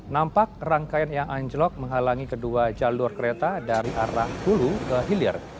nampak rangkaian yang anjlok menghalangi kedua jalur kereta dari arah hulu ke hilir